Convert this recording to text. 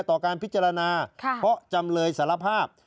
ต่อการพิจารณาเพราะจำเลยสารภาพ